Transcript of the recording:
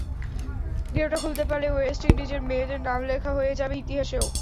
গেরোটা খুলতে পারলে ওয়েস্ট ইন্ডিজের মেয়েদের নাম লেখা হয়ে যাবে ইতিহাসেও।